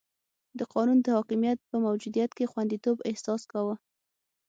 د قانون د حاکمیت په موجودیت کې خونديتوب احساس کاوه.